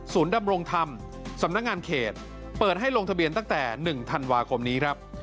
ดำรงธรรมสำนักงานเขตเปิดให้ลงทะเบียนตั้งแต่๑ธันวาคมนี้ครับ